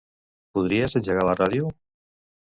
Podries engegar la ràdio?